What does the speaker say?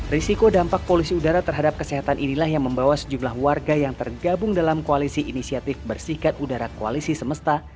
risiko dampak polusi udara terhadap kesehatan inilah yang membawa sejumlah warga yang tergabung dalam koalisi inisiatif bersihkan udara koalisi semesta